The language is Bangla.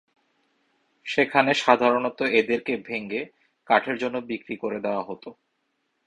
সেখানে সাধারণত এদেরকে ভেঙে কাঠের জন্য বিক্রি করে দেয়া হতো।